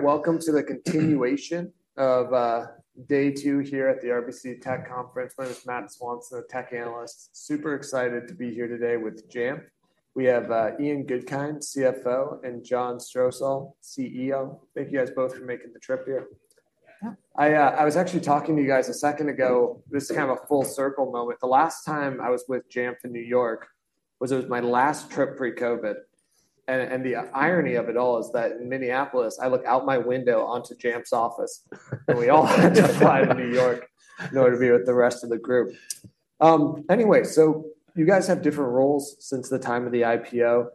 All right, welcome to the continuation of day two here at the RBC Tech Conference. My name is Matthew Swanson, a tech analyst. Super excited to be here today with Jamf. We have Ian Goodkind, CFO, and John Strosahl, CEO. Thank you guys both for making the trip here. Yeah. I was actually talking to you guys a second ago. This is kind of a full circle moment. The last time I was with Jamf in New York was, it was my last trip pre-COVID, and the irony of it all is that in Minneapolis, I look out my window onto Jamf's office. We all had to fly to New York in order to be with the rest of the group. Anyway, you guys have different roles since the time of the IPO.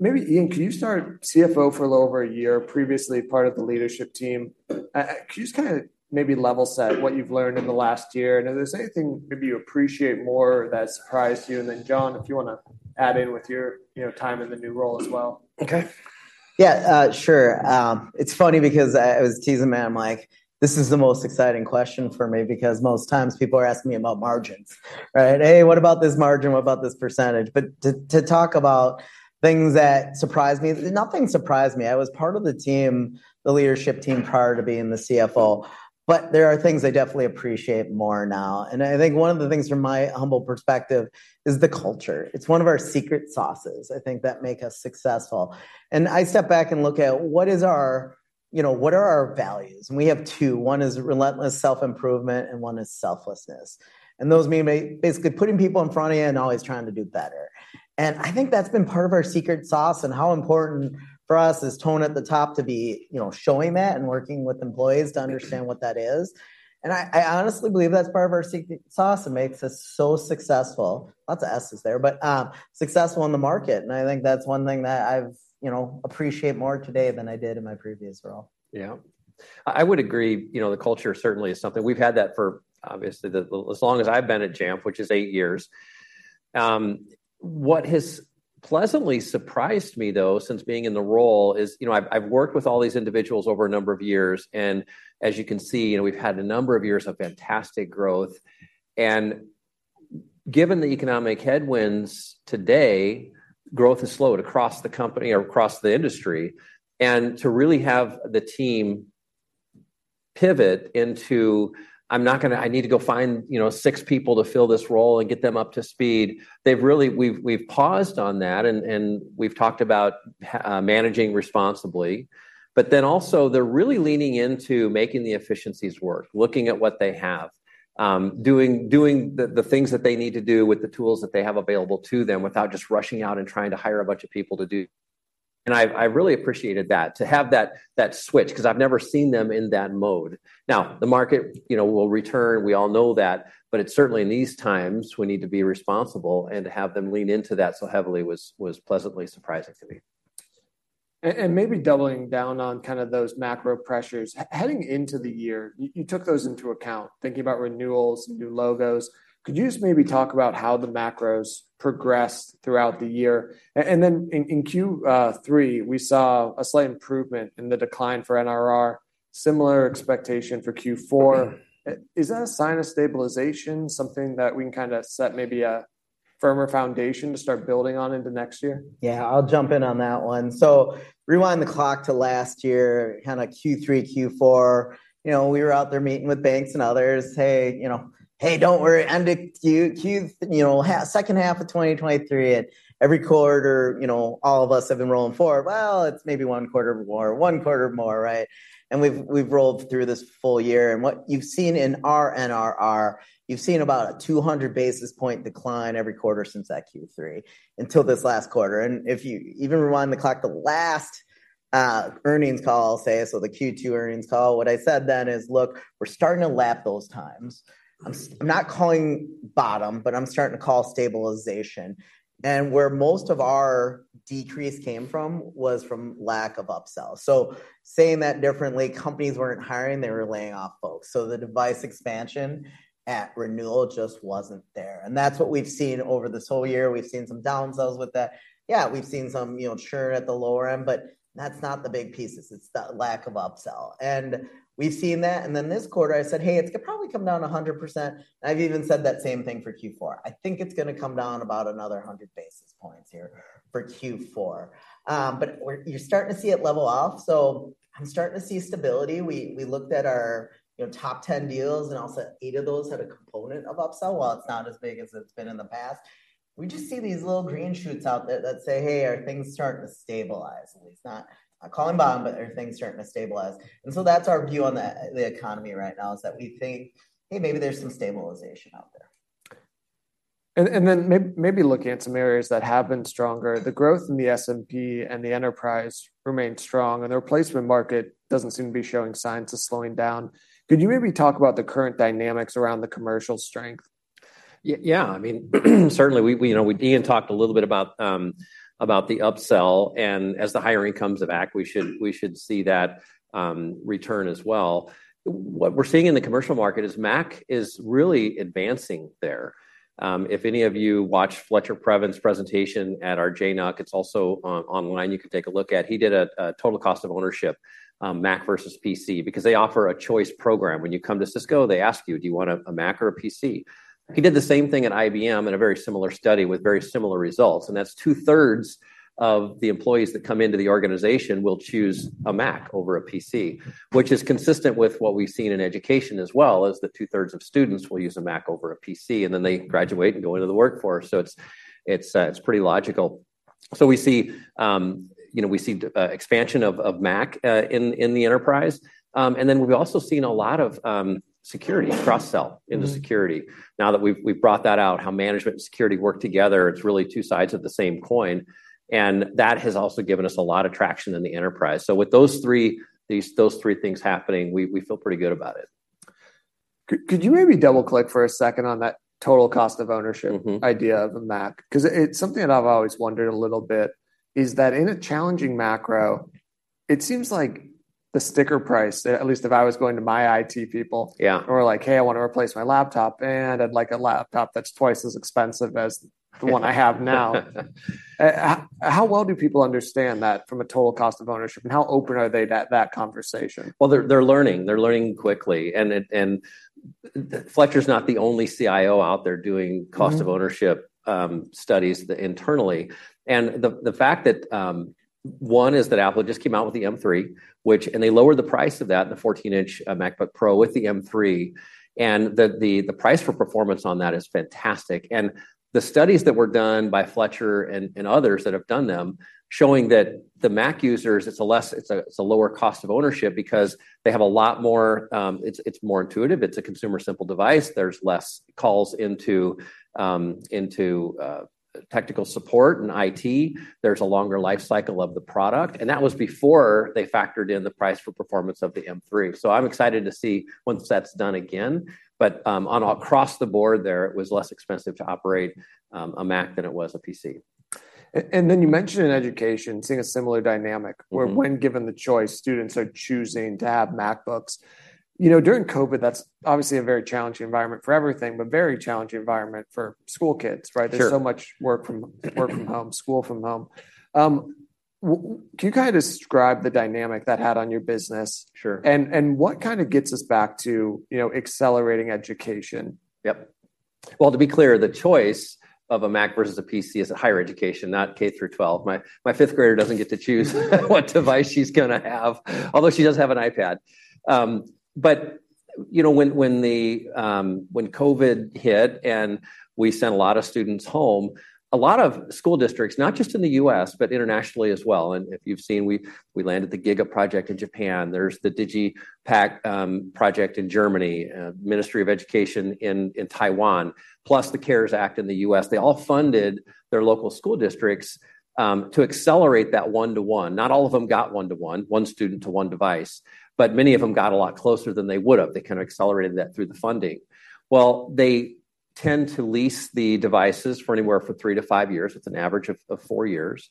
Maybe, Ian, could you start CFO for a little over a year, previously part of the leadership team? Could you just kinda maybe level set what you've learned in the last year, and if there's anything maybe you appreciate more that surprised you? And then, John, if you wanna add in with your, you know, time in the new role as well. Okay. Yeah, sure. It's funny because I was teasing Matt, I'm like, "This is the most exciting question for me, because most times people are asking me about margins," right? "Hey, what about this margin? What about this percentage?" But to talk about things that surprised me, nothing surprised me. I was part of the team, the leadership team, prior to being the CFO, but there are things I definitely appreciate more now. And I think one of the things from my humble perspective is the culture. It's one of our secret sauces, I think, that make us successful. And I step back and look at what is our... you know, what are our values? And we have two. One is relentless self-improvement, and one is selflessness. And those may be basically putting people in front of you and always trying to do better. I think that's been part of our secret sauce and how important for us is tone at the top to be, you know, showing that and working with employees to understand what that is. I honestly believe that's part of our secret sauce that makes us so successful. Lots of S's there, but successful in the market, and I think that's one thing that I've, you know, appreciate more today than I did in my previous role. Yeah. I would agree, you know, the culture certainly is something. We've had that for, obviously, as long as I've been at Jamf, which is eight years. What has pleasantly surprised me, though, since being in the role is, you know, I've worked with all these individuals over a number of years, and as you can see, you know, we've had a number of years of fantastic growth. And given the economic headwinds today, growth has slowed across the company or across the industry. And to really have the team pivot into, "I'm not gonna... I need to go find, you know, six people to fill this role and get them up to speed," we've paused on that, and we've talked about managing responsibly. But then also, they're really leaning into making the efficiencies work, looking at what they have, doing the things that they need to do with the tools that they have available to them without just rushing out and trying to hire a bunch of people to do. And I really appreciated that, to have that switch, because I've never seen them in that mode. Now, the market, you know, will return. We all know that, but it's certainly in these times, we need to be responsible, and to have them lean into that so heavily was pleasantly surprising to me. And maybe doubling down on kind of those macro pressures, heading into the year, you took those into account, thinking about renewals, new logos. Could you just maybe talk about how the macros progressed throughout the year? And then in Q3, we saw a slight improvement in the decline for NRR, similar expectation for Q4. Is that a sign of stabilization, something that we can kinda set maybe a firmer foundation to start building on into next year? Yeah, I'll jump in on that one. So rewind the clock to last year, kinda Q3, Q4. You know, we were out there meeting with banks and others, "Hey, you know, hey, don't worry, end of Q, Q... you know, second half of 2023, and every quarter, you know, all of us have been rolling forward." "Well, it's maybe one quarter more, one quarter more," right? And we've, we've rolled through this full year, and what you've seen in our NRR, you've seen about a 200 basis point decline every quarter since that Q3, until this last quarter. And if you even rewind the clock, the last earnings call, say, so the Q2 earnings call, what I said then is, "Look, we're starting to lap those times. I'm not calling bottom, but I'm starting to call stabilization." And where most of our decrease came from was from lack of upsells. So saying that differently, companies weren't hiring, they were laying off folks, so the device expansion at renewal just wasn't there, and that's what we've seen over this whole year. We've seen some downsells with that. Yeah, we've seen some, you know, churn at the lower end, but that's not the big pieces. It's the lack of upsell. And we've seen that, and then this quarter, I said, "Hey, it's probably come down 100%," and I've even said that same thing for Q4. I think it's gonna come down about another 100 basis points here for Q4. But you're starting to see it level off, so I'm starting to see stability. We looked at our, you know, top 10 deals, and also eight of those had a component of upsell. While it's not as big as it's been in the past, we just see these little green shoots out there that say, "Hey, are things starting to stabilize?" At least not calling bottom, but are things starting to stabilize. And so that's our view on the economy right now is that we think, hey, maybe there's some stabilization out there. And then maybe looking at some areas that have been stronger, the growth in the S&P and the enterprise remains strong, and the replacement market doesn't seem to be showing signs of slowing down. Could you maybe talk about the current dynamics around the commercial strength? Yeah, I mean, certainly we, you know, we Ian talked a little bit about the upsell, and as the hiring comes back, we should see that return as well. What we're seeing in the commercial market is Mac is really advancing there. If any of you watched Fletcher Previn's presentation at our JNUC, it's also online, you can take a look at. He did a total cost of ownership, Mac versus PC, because they offer a choice program. When you come to Cisco, they ask you, "Do you want a Mac or a PC?" He did the same thing at IBM in a very similar study with very similar results, and that's two-thirds of the employees that come into the organization will choose a Mac over a PC, which is consistent with what we've seen in education as well, as the two-thirds of students will use a Mac over a PC, and then they graduate and go into the workforce. So it's pretty logical... So we see, you know, we see expansion of Mac in the enterprise. And then we've also seen a lot of security cross-sell- Mm. In the security. Now that we've brought that out, how management and security work together, it's really two sides of the same coin, and that has also given us a lot of traction in the enterprise. So with those three things happening, we feel pretty good about it. Could you maybe double-click for a second on that total cost of ownership? Mm-hmm Idea of a Mac? 'Cause it's something that I've always wondered a little bit, is that in a challenging macro, it seems like the sticker price, at least if I was going to my IT people- Yeah... were like, "Hey, I wanna replace my laptop, and I'd like a laptop that's twice as expensive as the one I have now." How well do people understand that from a total cost of ownership, and how open are they to that conversation? Well, they're learning quickly, and Fletcher's not the only CIO out there doing- Mm... cost of ownership studies internally. And the fact that one is that Apple just came out with the M3, which and they lowered the price of that, the 14-inch MacBook Pro with the M3, and the price for performance on that is fantastic. And the studies that were done by Fletcher and others that have done them, showing that the Mac users, it's a lower cost of ownership because they have a lot more... it's more intuitive, it's a consumer-simple device. There's less calls into technical support and IT. There's a longer life cycle of the product, and that was before they factored in the price for performance of the M3. So I'm excited to see once that's done again, but, on across the board there, it was less expensive to operate a Mac than it was a PC. and then you mentioned in education, seeing a similar dynamic. Mm-hmm... where when given the choice, students are choosing to have MacBooks. You know, during COVID, that's obviously a very challenging environment for everything, but very challenging environment for school kids, right? Sure. There's so much work from home, school from home. Can you kinda describe the dynamic that had on your business? Sure. And what kinda gets us back to, you know, accelerating education? Yep. Well, to be clear, the choice of a Mac versus a PC is a higher education, not K through twelve. My fifth grader doesn't get to choose what device she's gonna have, although she does have an iPad. But you know, when COVID hit, and we sent a lot of students home, a lot of school districts, not just in the U.S., but internationally as well. And if you've seen, we landed the GIGA Project in Japan. There's the DigitalPakt project in Germany, Ministry of Education in Taiwan, plus the CARES Act in the U.S. They all funded their local school districts to accelerate that one-to-one. Not all of them got one-to-one, one student to one device, but many of them got a lot closer than they would have. They kinda accelerated that through the funding. Well, they tend to lease the devices for anywhere from 3-5 years, with an average of four years.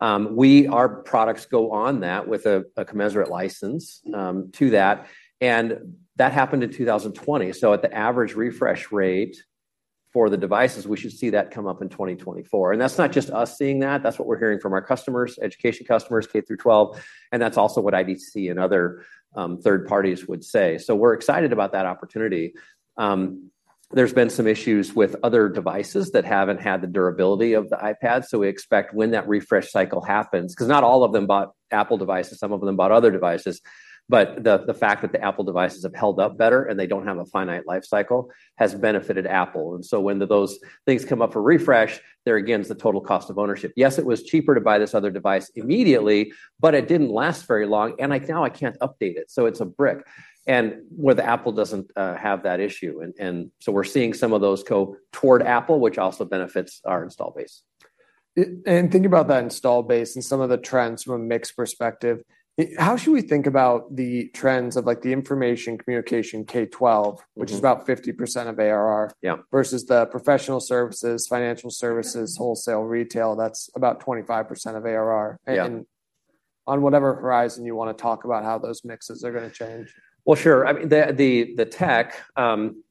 Our products go on that with a commensurate license to that, and that happened in 2020. So at the average refresh rate for the devices, we should see that come up in 2024, and that's not just us seeing that. That's what we're hearing from our customers, education customers, K through 12, and that's also what IDC and other third parties would say. So we're excited about that opportunity. There's been some issues with other devices that haven't had the durability of the iPad, so we expect when that refresh cycle happens, 'cause not all of them bought Apple devices, some of them bought other devices, but the fact that the Apple devices have held up better, and they don't have a finite life cycle, has benefited Apple. And so when those things come up for refresh, there's again the total cost of ownership. Yes, it was cheaper to buy this other device immediately, but it didn't last very long, and now I can't update it, so it's a brick. And where the Apple doesn't have that issue, and so we're seeing some of those go toward Apple, which also benefits our install base. And thinking about that installed base and some of the trends from a mixed perspective, how should we think about the trends of, like, the information communication K-twelve? Mm-hmm... which is about 50% of ARR- Yeah... versus the professional services, financial services, wholesale, retail, that's about 25% of ARR? Yeah. And on whatever horizon you wanna talk about, how those mixes are gonna change. Well, sure. I mean, the tech, you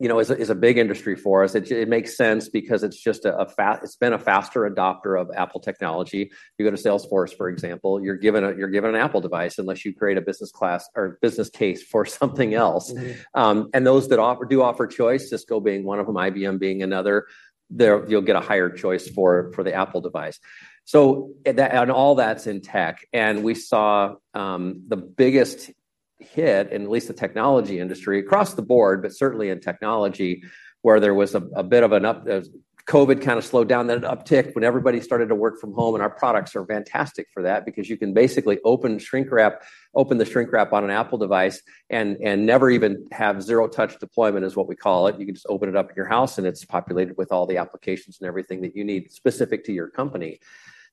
know, is a big industry for us. It makes sense because it's just a faster adopter of Apple technology. You go to Salesforce, for example, you're given an Apple device unless you create a business class or business case for something else. Mm-hmm. And those that do offer choice, Cisco being one of them, IBM being another, you'll get a higher choice for the Apple device. So at that, and all that's in tech, and we saw the biggest hit in at least the technology industry, across the board, but certainly in technology, where there was a bit of an up as COVID kinda slowed down, then an uptick when everybody started to work from home, and our products are fantastic for that because you can basically open shrink wrap, open the shrink wrap on an Apple device, and never even have zero-touch deployment is what we call it. You can just open it up in your house, and it's populated with all the applications and everything that you need, specific to your company.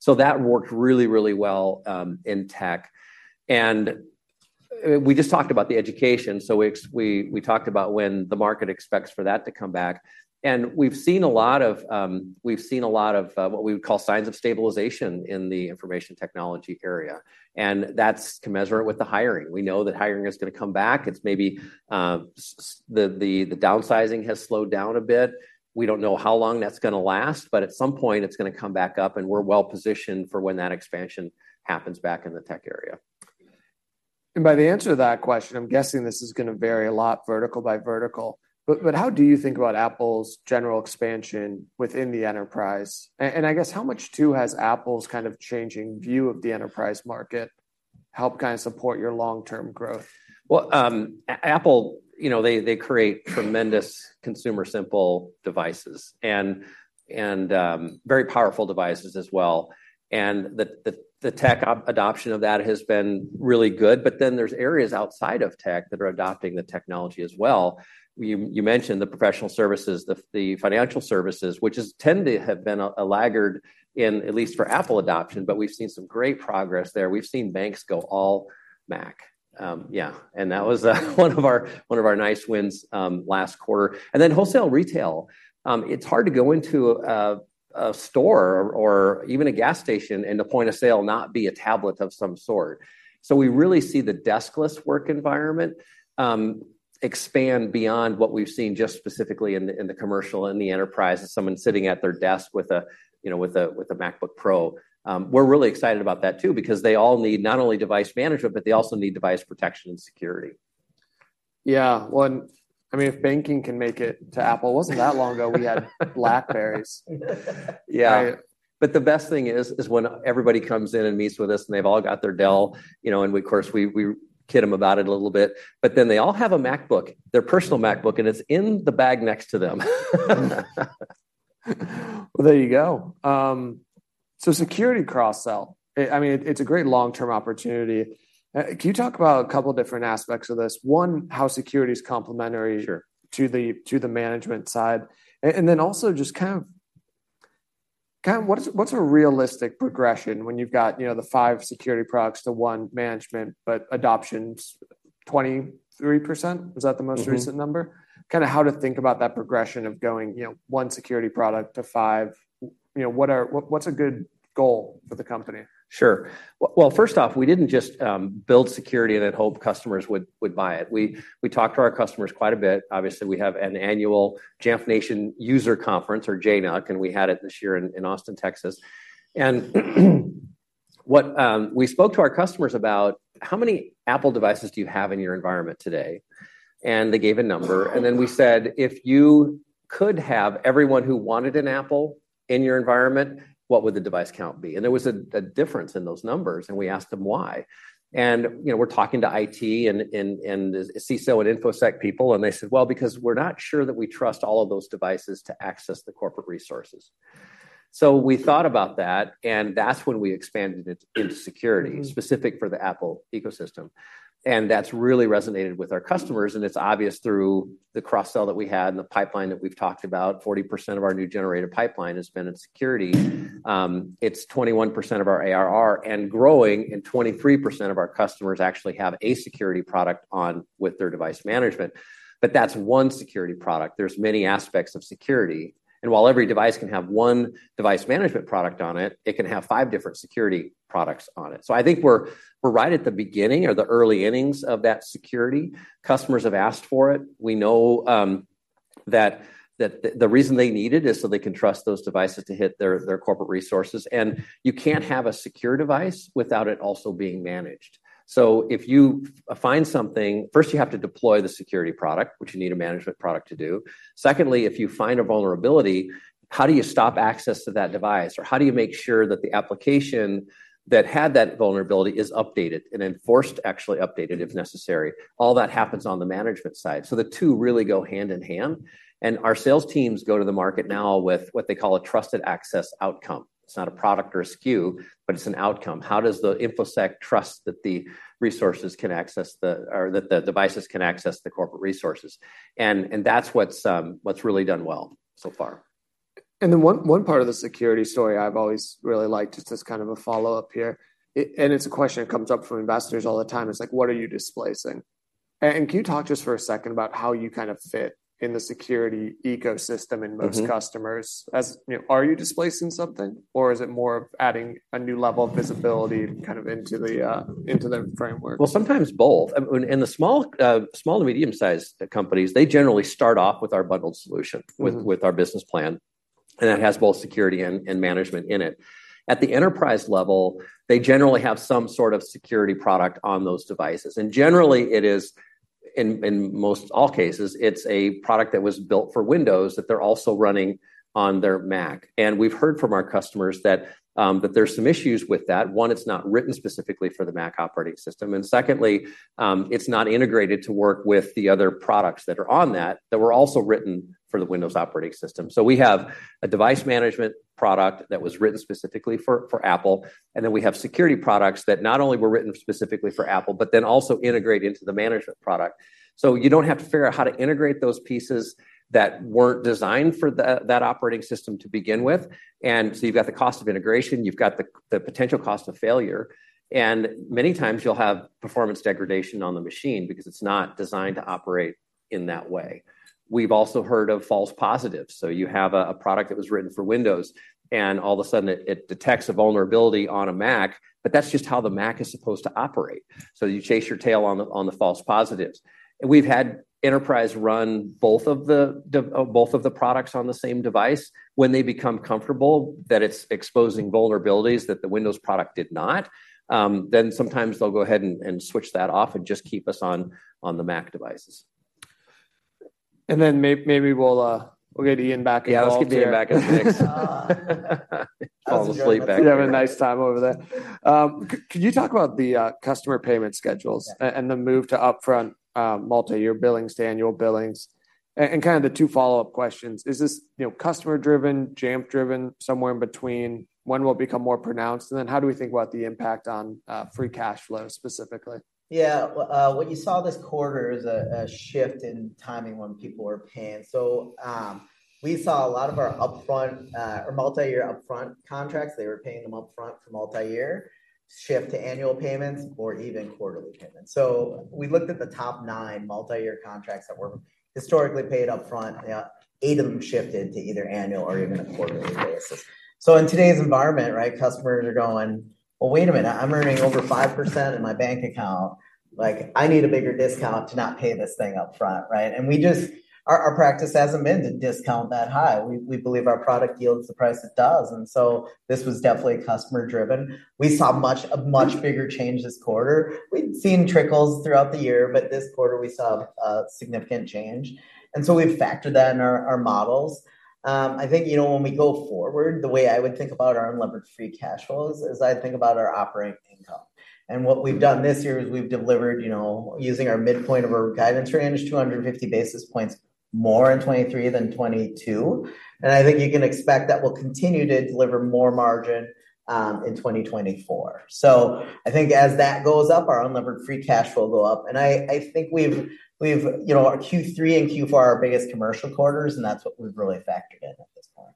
So that worked really, really well in tech. We just talked about the education, so we talked about when the market expects for that to come back. And we've seen a lot of what we would call signs of stabilization in the information technology area, and that's commensurate with the hiring. We know that hiring is gonna come back. It's maybe the downsizing has slowed down a bit. We don't know how long that's gonna last, but at some point, it's gonna come back up, and we're well-positioned for when that expansion happens back in the tech area. By the answer to that question, I'm guessing this is gonna vary a lot, vertical by vertical, but how do you think about Apple's general expansion within the enterprise? I guess, how much, too, has Apple's kind of changing view of the enterprise market... help kind of support your long-term growth? Well, Apple, you know, they create tremendous consumer simple devices, and very powerful devices as well. And the tech adoption of that has been really good, but then there's areas outside of tech that are adopting the technology as well. You mentioned the professional services, the financial services, which tend to have been a laggard in, at least for Apple adoption, but we've seen some great progress there. We've seen banks go all Mac. Yeah, and that was one of our nice wins last quarter. And then wholesale retail. It's hard to go into a store or even a gas station, and the point of sale not be a tablet of some sort. So we really see the desk-less work environment expand beyond what we've seen just specifically in the commercial and the enterprise, as someone sitting at their desk with a, you know, with a, with a MacBook Pro. We're really excited about that too, because they all need not only device management, but they also need device protection and security. Yeah. Well, I mean, if banking can make it to Apple, it wasn't that long ago, we had BlackBerrys. Yeah. Right. But the best thing is when everybody comes in and meets with us, and they've all got their Dell, you know, and we of course kid them about it a little bit, but then they all have a MacBook, their personal MacBook, and it's in the bag next to them. Well, there you go. So security cross-sell, I mean, it's a great long-term opportunity. Can you talk about a couple different aspects of this? One, how security is complementary- Sure... to the management side? And then also just kind of what's a realistic progression when you've got, you know, the five security products to one management, but adoption's 23%? Is that the most recent number? Mm-hmm. Kind of how to think about that progression of going, you know, one security product to five. What, you know, what's a good goal for the company? Sure. Well, first off, we didn't just build security and then hope customers would buy it. We talked to our customers quite a bit. Obviously, we have an annual Jamf Nation User Conference or JNUC, and we had it this year in Austin, Texas. And we spoke to our customers about how many Apple devices do you have in your environment today? And they gave a number, and then we said, "If you could have everyone who wanted an Apple in your environment, what would the device count be?" And there was a difference in those numbers, and we asked them why. And, you know, we're talking to IT, and CISO and InfoSec people, and they said, "Well, because we're not sure that we trust all of those devices to access the corporate resources." So we thought about that, and that's when we expanded it into security- Mm-hmm... specific for the Apple ecosystem. And that's really resonated with our customers, and it's obvious through the cross-sell that we had and the pipeline that we've talked about. 40% of our new generated pipeline has been in security. It's 21% of our ARR, and growing, and 23% of our customers actually have a security product on with their device management. But that's one security product. There's many aspects of security. And while every device can have one device management product on it, it can have five different security products on it. So I think we're right at the beginning or the early innings of that security. Customers have asked for it. We know that the reason they need it is so they can trust those devices to hit their corporate resources, and you can't have a secure device without it also being managed. So if you find something, first, you have to deploy the security product, which you need a management product to do. Secondly, if you find a vulnerability, how do you stop access to that device? Or how do you make sure that the application that had that vulnerability is updated and enforced, actually updated, if necessary? All that happens on the management side. So the two really go hand in hand, and our sales teams go to the market now with what they call a trusted access outcome. It's not a product or a SKU, but it's an outcome. How does the InfoSec trust that the resources can access the... or that the devices can access the corporate resources? And that's what's really done well so far. And then one part of the security story I've always really liked, just as kind of a follow-up here, and it's a question that comes up from investors all the time, is, like, what are you displacing? And can you talk just for a second about how you kind of fit in the security ecosystem? Mm-hmm... in most customers? As you know, are you displacing something, or is it more of adding a new level of visibility kind of into the framework? Well, sometimes both. In the small to medium-sized companies, they generally start off with our bundled solution- Mm-hmm... with our business plan, and that has both security and management in it. At the enterprise level, they generally have some sort of security product on those devices. And generally, it is in most all cases, it's a product that was built for Windows, that they're also running on their Mac. And we've heard from our customers that there are some issues with that. One, it's not written specifically for the Mac operating system. And secondly, it's not integrated to work with the other products that are on that that were also written for the Windows operating system. So we have a device management product that was written specifically for Apple, and then we have security products that not only were written specifically for Apple, but then also integrate into the management product. So you don't have to figure out how to integrate those pieces that weren't designed for that operating system to begin with. And so you've got the cost of integration, you've got the potential cost of failure, and many times you'll have performance degradation on the machine because it's not designed to operate in that way. We've also heard of false positives. So you have a product that was written for Windows, and all of a sudden it detects a vulnerability on a Mac, but that's just how the Mac is supposed to operate. So you chase your tail on the false positives. We've had enterprise run both of the products on the same device. When they become comfortable that it's exposing vulnerabilities that the Windows product did not, then sometimes they'll go ahead and switch that off and just keep us on the Mac devices. ... And then maybe we'll get Ian back involved. Yeah, let's get Ian back in the mix. Fall asleep back here. You're having a nice time over there. Could you talk about the customer payment schedules? Yeah... and the move to upfront multi-year billings to annual billings? And kinda the two follow-up questions, is this, you know, customer-driven, Jamf driven, somewhere in between? When will it become more pronounced? And then how do we think about the impact on free cash flow, specifically? Yeah. What you saw this quarter is a shift in timing when people were paying. So, we saw a lot of our upfront or multi-year upfront contracts, they were paying them upfront for multi-year shift to annual payments or even quarterly payments. So we looked at the top nile multi-year contracts that were historically paid upfront. Yeah, eight of them shifted to either annual or even a quarterly basis. So in today's environment, right, customers are going: "Well, wait a minute, I'm earning over 5% in my bank account. Like, I need a bigger discount to not pay this thing upfront," right? And we just, our practice hasn't been to discount that high. We believe our product yields the price it does, and so this was definitely customer-driven. We saw a much bigger change this quarter. We'd seen trickles throughout the year, but this quarter we saw a significant change, and so we've factored that in our models. I think, you know, when we go forward, the way I would think about our unlevered free cash flows is I think about our operating income. And what we've done this year is we've delivered, you know, using our midpoint of our guidance range, 250 basis points more in 2023 than 2022. And I think you can expect that we'll continue to deliver more margin in 2024. So I think as that goes up, our unlevered free cash will go up. And I think we've, you know, our Q3 and Q4 are our biggest commercial quarters, and that's what we've really factored in at this point.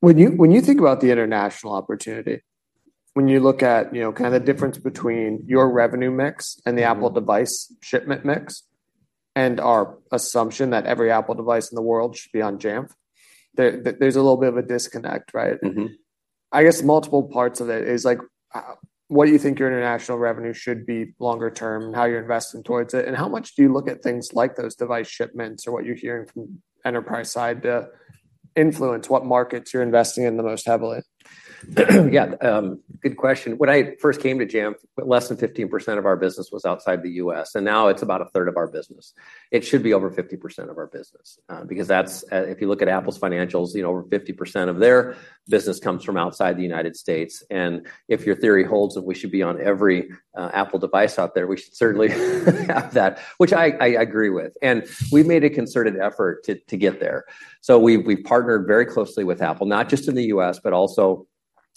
When you think about the international opportunity, when you look at, you know, kinda the difference between your revenue mix and the Apple device shipment mix, and our assumption that every Apple device in the world should be on Jamf, there's a little bit of a disconnect, right? Mm-hmm. I guess multiple parts of it is, like, what do you think your international revenue should be longer term, and how you're investing towards it? And how much do you look at things like those device shipments or what you're hearing from enterprise side to influence what markets you're investing in the most heavily? Yeah, good question. When I first came to Jamf, less than 15% of our business was outside the U.S., and now it's about a third of our business. It should be over 50% of our business, because that's... If you look at Apple's financials, you know, over 50% of their business comes from outside the United States. And if your theory holds that we should be on every, Apple device out there, we should certainly have that, which I, I agree with. And we've made a concerted effort to, to get there. So we, we've partnered very closely with Apple, not just in the U.S.,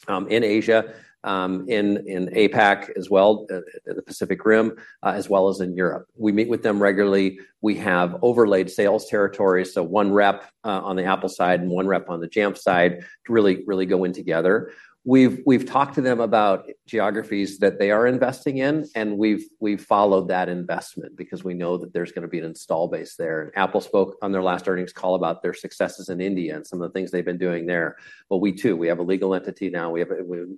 but also, in Asia, in, in APAC as well, the Pacific Rim, as well as in Europe. We meet with them regularly. We have overlaid sales territories, so one rep on the Apple side and one rep on the Jamf side to really, really go in together. We've talked to them about geographies that they are investing in, and we've followed that investment because we know that there's gonna be an install base there. Apple spoke on their last earnings call about their successes in India and some of the things they've been doing there. Well, we too have a legal entity now. We have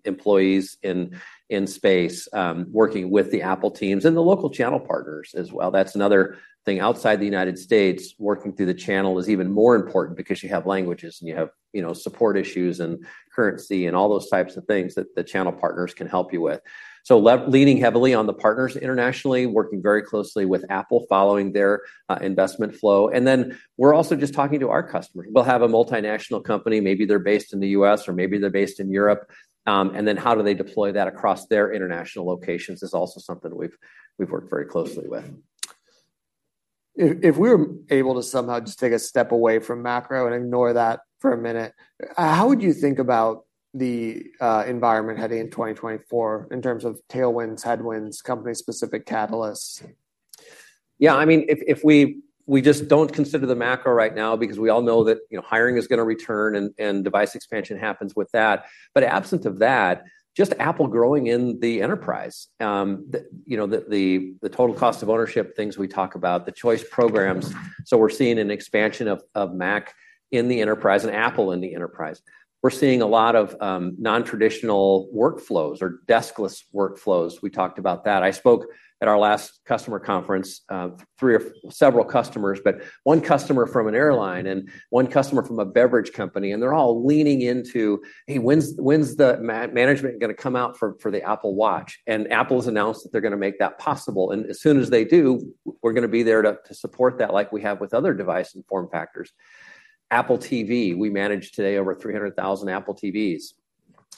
employees in space working with the Apple teams and the local channel partners as well. That's another thing outside the United States, working through the channel is even more important because you have languages, and you have, you know, support issues and currency and all those types of things that the channel partners can help you with. So leaning heavily on the partners internationally, working very closely with Apple, following their investment flow. And then, we're also just talking to our customers. We'll have a multinational company, maybe they're based in the U.S. or maybe they're based in Europe, and then how do they deploy that across their international locations is also something we've worked very closely with. If we were able to somehow just take a step away from macro and ignore that for a minute, how would you think about the environment heading in 2024 in terms of tailwinds, headwinds, company-specific catalysts? Yeah, I mean, if we just don't consider the macro right now because we all know that, you know, hiring is gonna return and device expansion happens with that. But absent of that, just Apple growing in the enterprise, the total cost of ownership things we talk about, the choice programs, so we're seeing an expansion of Mac in the enterprise and Apple in the enterprise. We're seeing a lot of non-traditional workflows or deskless workflows. We talked about that. I spoke at our last customer conference, several customers, but one customer from an airline and one customer from a beverage company, and they're all leaning into, "Hey, when's the management gonna come out for the Apple Watch?" And Apple's announced that they're gonna make that possible. And as soon as they do, we're gonna be there to support that, like we have with other device and form factors. Apple TV, we manage today over 300,000 Apple TVs.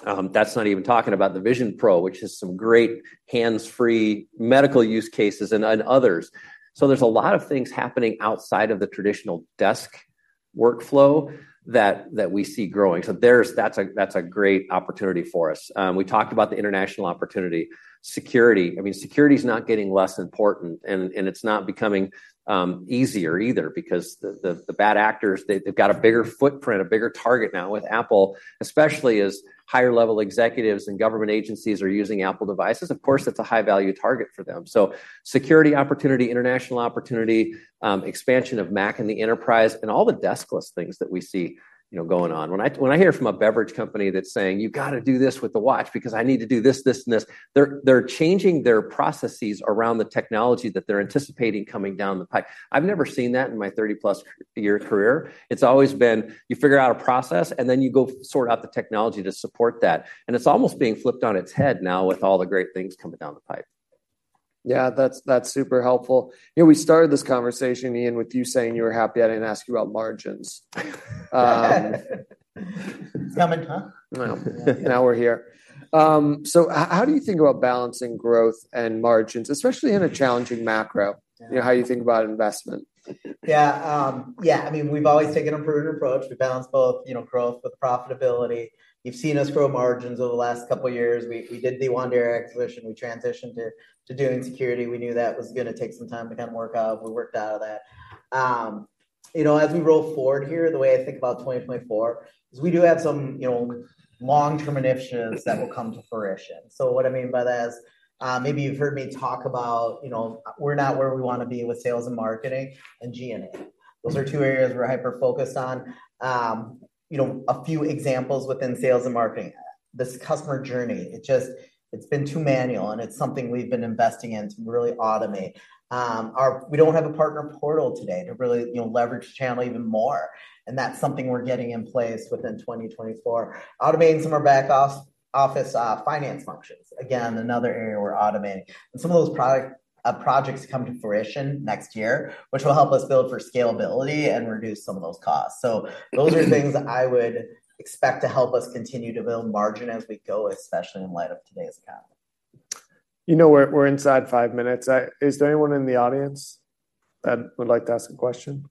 That's not even talking about the Vision Pro, which has some great hands-free medical use cases and others. So there's a lot of things happening outside of the traditional desk workflow that we see growing, so that's a great opportunity for us. We talked about the international opportunity. Security, I mean, security is not getting less important, and it's not becoming easier either because the bad actors, they've got a bigger footprint, a bigger target now with Apple, especially as higher-level executives and government agencies are using Apple devices. Of course, that's a high-value target for them. So security opportunity, international opportunity, expansion of Mac in the enterprise, and all the deskless things that we see, you know, going on. When I, when I hear from a beverage company that's saying: "You've got to do this with the watch because I need to do this, this, and this," they're, they're changing their processes around the technology that they're anticipating coming down the pipe. I've never seen that in my 30+ year career. It's always been, you figure out a process, and then you go sort out the technology to support that. And it's almost being flipped on its head now with all the great things coming down the pipe. ... Yeah, that's, that's super helpful. You know, we started this conversation, Ian, with you saying you were happy I didn't ask you about margins. Coming, huh? Well, now we're here. So how do you think about balancing growth and margins, especially in a challenging macro? You know, how do you think about investment? Yeah. Yeah, I mean, we've always taken a prudent approach to balance both, you know, growth with profitability. You've seen us grow margins over the last couple of years. We did the Wandera acquisition, we transitioned to doing security. We knew that was gonna take some time to kind of work out. We worked out of that. You know, as we roll forward here, the way I think about 2024 is we do have some, you know, long-term initiatives that will come to fruition. So what I mean by that is, maybe you've heard me talk about, you know, we're not where we wanna be with sales and marketing and GNA. Those are two areas we're hyper-focused on. You know, a few examples within sales and marketing. This customer journey, it's been too manual, and it's something we've been investing in to really automate. We don't have a partner portal today to really, you know, leverage the channel even more, and that's something we're getting in place within 2024. Automating some of our back office, finance functions. Again, another area we're automating. And some of those product projects come to fruition next year, which will help us build for scalability and reduce some of those costs. So those are things I would expect to help us continue to build margin as we go, especially in light of today's account. You know, we're inside five minutes. Is there anyone in the audience that would like to ask a question?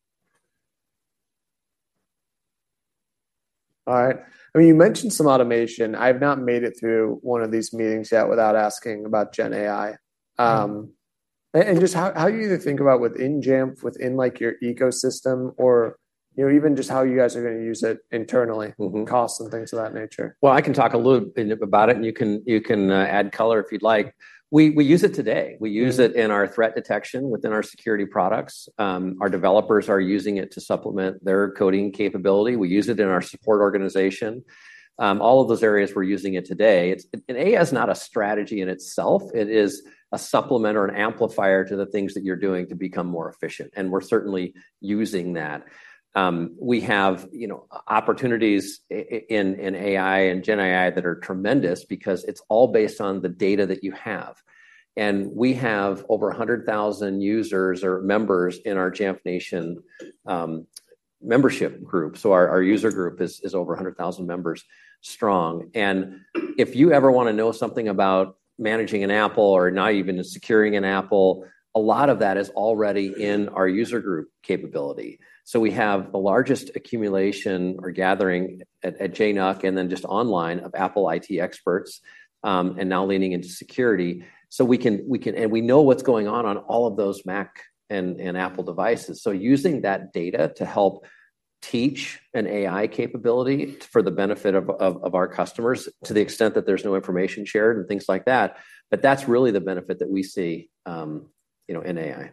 All right. I mean, you mentioned some automation. I've not made it through one of these meetings yet without asking about Gen AI. And just how do you think about within Jamf, within, like, your ecosystem or, you know, even just how you guys are gonna use it internally- Mm-hmm. costs and things of that nature? Well, I can talk a little bit about it, and you can add color if you'd like. We use it today. We use it in our threat detection, within our security products. Our developers are using it to supplement their coding capability. We use it in our support organization. All of those areas we're using it today. And AI is not a strategy in itself. It is a supplement or an amplifier to the things that you're doing to become more efficient, and we're certainly using that. We have, you know, opportunities in AI and Gen AI that are tremendous because it's all based on the data that you have. And we have over 100,000 users or members in our Jamf Nation membership group. So our user group is over 100,000 members strong. If you ever wanna know something about managing an Apple or not even securing an Apple, a lot of that is already in our user group capability. So we have the largest accumulation or gathering at JNUC, and then just online, of Apple IT experts, and now leaning into security. So we can and we know what's going on on all of those Mac and Apple devices. So using that data to help teach an AI capability for the benefit of our customers, to the extent that there's no information shared and things like that, but that's really the benefit that we see, you know, in AI.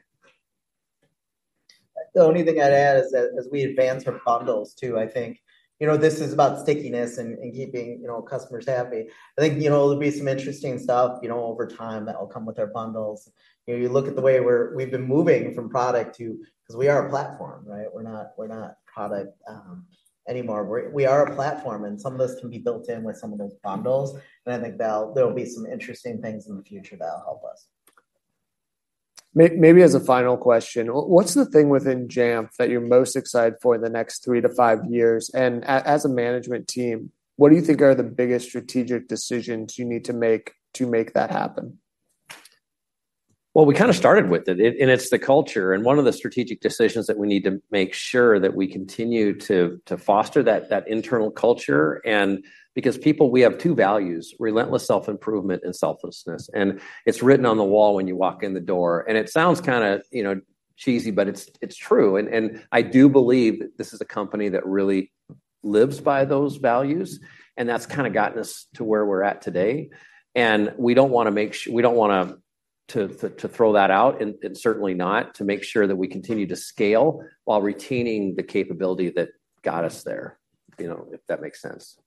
The only thing I'd add is that as we advance our bundles, too, I think, you know, this is about stickiness and, and keeping, you know, customers happy. I think, you know, there'll be some interesting stuff, you know, over time that will come with our bundles. You know, you look at the way we've been moving from product to... 'Cause we are a platform, right? We're not, we're not product, anymore. We're- we are a platform, and some of this can be built in with some of those bundles, and I think there'll be some interesting things in the future that'll help us. Maybe as a final question, what's the thing within Jamf that you're most excited for in the next three to five years? And as a management team, what do you think are the biggest strategic decisions you need to make to make that happen? Well, we kinda started with it, and it's the culture, and one of the strategic decisions that we need to make sure that we continue to foster that internal culture, because we have two values, relentless self-improvement and selflessness. And it's written on the wall when you walk in the door, and it sounds kinda, you know, cheesy, but it's true. And I do believe that this is a company that really lives by those values, and that's kinda gotten us to where we're at today. And we don't wanna throw that out, and certainly not to make sure that we continue to scale while retaining the capability that got us there, you know, if that makes sense.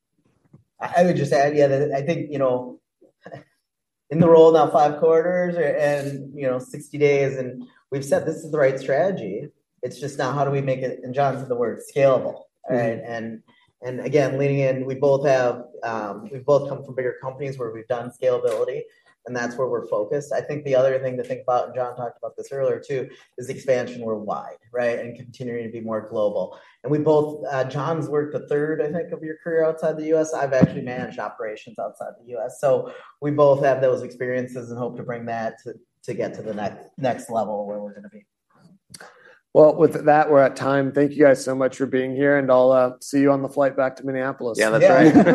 I would just add, yeah, that I think, you know, in the role, now five quarters and, you know, 60 days, and we've said this is the right strategy. It's just now how do we make it, and John said the word, scalable, right? Mm-hmm. Again, leaning in, we both have, we've both come from bigger companies where we've done scalability, and that's where we're focused. I think the other thing to think about, and John talked about this earlier, too, is expansion worldwide, right? Continuing to be more global. We both, John's worked a third, I think, of your career outside the US. I've actually managed operations outside the US. So we both have those experiences and hope to bring that to get to the next level where we're gonna be. Well, with that, we're at time. Thank you, guys, so much for being here, and I'll see you on the flight back to Minneapolis. Yeah, that's right.